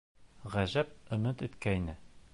Ғәжәп, өмөт иткәйне.